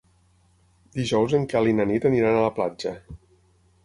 Dijous en Quel i na Nit aniran a la platja.